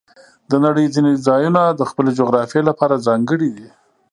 د نړۍ ځینې ځایونه د خپلې جغرافیې لپاره ځانګړي دي.